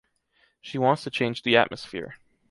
She wants to change the atmosphere.